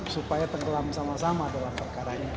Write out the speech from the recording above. supaya tenggelam sama sama dalam perkara ini